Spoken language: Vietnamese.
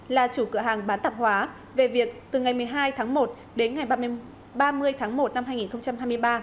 là chủ cửa hàng bán tạp hóa về việc từ ngày một mươi hai tháng một đến ngày ba mươi tháng một năm hai nghìn hai mươi ba